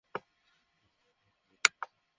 আর এখান থেকে বের হও।